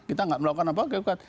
kita tidak melakukan apa apa